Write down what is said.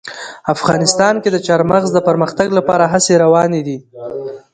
افغانستان کې د چار مغز د پرمختګ لپاره هڅې روانې دي.